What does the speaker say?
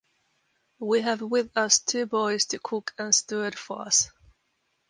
We have with us two boys to cook and steward for us.